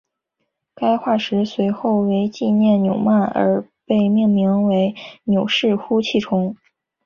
该化石随后为纪念纽曼而被命名为纽氏呼气虫。